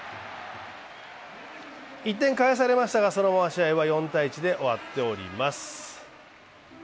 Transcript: １点返されましたが、そのまま試合は４−１で終わっております。